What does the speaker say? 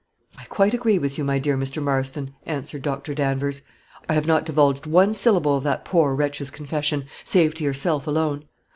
"I quite agree with you, my dear Mr. Marston," answered Dr. Danvers. "I have not divulged one syllable of that poor wretch's confession, save to yourself alone.